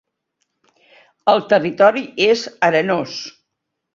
El territori és arenós.